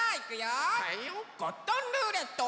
ゴットンルーレット。